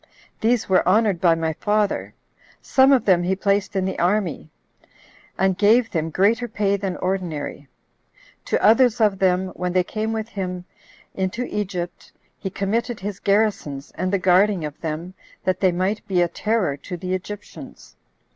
These were honored by my father; some of them he placed in the army, and gave them greater pay than ordinary; to others of them, when they came with him into Egypt, he committed his garrisons, and the guarding of them, that they might be a terror to the Egyptians.